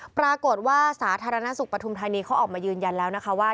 ปรากฏว่าสาธารณสุขปฐุมธานีเขาออกมายืนยันแล้วนะคะว่า